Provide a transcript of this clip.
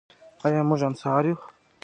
آیا موږ انصار یو؟